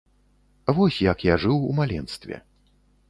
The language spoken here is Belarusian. Вось як я жыў у маленстве.